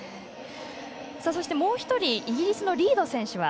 そして、もう１人イギリスのリード選手は？